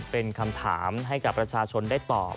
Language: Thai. เป็นคำถามให้กับประชาชนได้ตอบ